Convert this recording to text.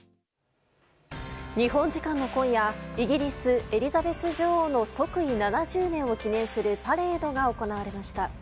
日本時間の今夜イギリスのエリザベス女王の即位７０年を記念するパレードが行われました。